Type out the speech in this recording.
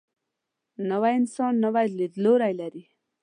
نوی انسان نوی لیدلوری لري